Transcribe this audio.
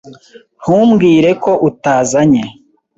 Ntumbwire ko utazanye.